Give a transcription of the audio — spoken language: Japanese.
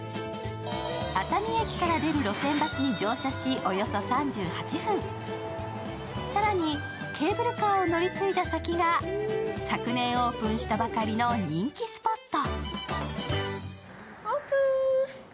熱海駅から出る路線バスに乗車し、およそ３８分、更にケーブルカーを乗り継いだ先が昨年オープンしたばかりの人気スポット。